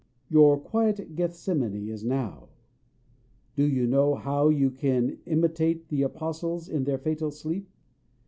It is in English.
Your quiet Gethsemane is now. Do you know how you can imitate the apostles in their fatal sleep?